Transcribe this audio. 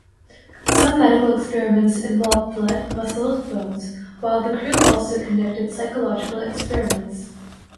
Some medical experiments involved blood, muscles, bones while the crew also conducted psychological experiments.